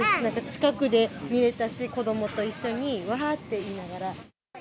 近くで見えたし、子どもと一緒に、わーって言いながら。